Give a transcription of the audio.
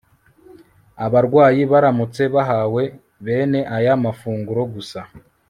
Abarwayi baramutse bahawe bene aya mafunguro gusa